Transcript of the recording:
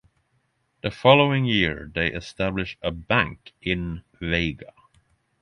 The following year, they established a bank in Vega.